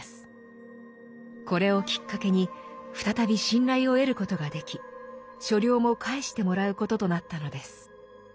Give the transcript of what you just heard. これをきっかけに再び信頼を得ることができ所領も返してもらうこととなったのです。